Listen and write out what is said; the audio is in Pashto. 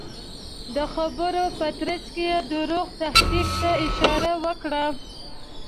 د خبرو په ترڅ کې دروغ تحقیق ته اشاره وکړه.